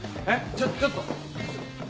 ちょっちょっと。